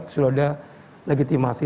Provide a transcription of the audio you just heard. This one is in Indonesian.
sudah ada legitimasi